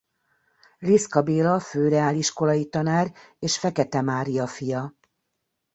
Liszka Béla főreáliskolai tanár és Fekete Mária fia.